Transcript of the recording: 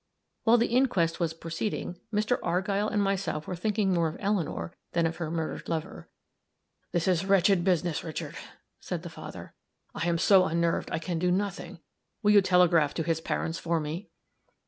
While the inquest was proceeding, Mr. Argyll and myself were thinking more of Eleanor than of her murdered lover. "This is wretched business, Richard," said the father. "I am so unnerved I can do nothing. Will you telegraph to his parents for me?"